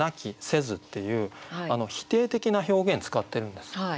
「せず」っていう否定的な表現使ってるんです。